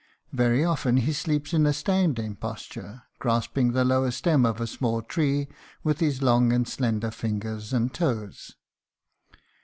Very often he sleeps in a standing posture, grasping the lower stem of a small tree with his long and slender fingers and toes.